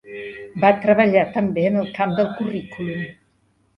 Va treballar també en el camp del currículum.